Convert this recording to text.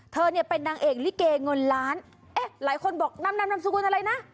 เธอเป็นนางเอกลิเกย์งนล้านหลายคนบอกนามสกุลอะไรนะ